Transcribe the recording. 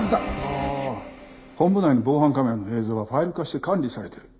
ああ本部内の防犯カメラの映像はファイル化して管理されてる。